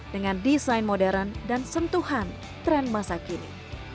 dengan desain modern dan sentuhan tren masa kini